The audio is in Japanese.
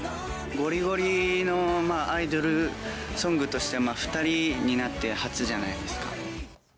ごりごりのアイドルソングとして、２人になって初じゃないですか。